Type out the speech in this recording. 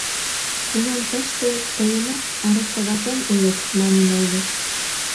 Тунам тыште, тыйымат арестоватлен улыт, манын ойлышт.